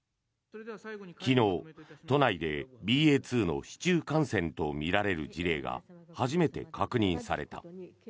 昨日、都内でＢＡ．２の市中感染とみられる事例が初めて確認された。